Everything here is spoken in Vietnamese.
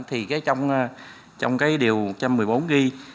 trong điều một trăm một mươi bốn ghi